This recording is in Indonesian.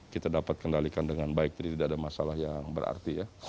kita dapat kendalikan dengan baik jadi tidak ada masalah yang berarti ya